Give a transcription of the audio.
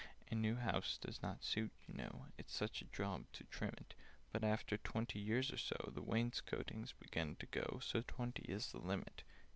"A new house does not suit, you know— It's such a job to trim it: But, after twenty years or so, The wainscotings begin to go, So twenty is the limit."